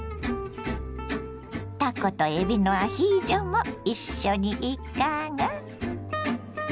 たことえびのアヒージョも一緒にいかが。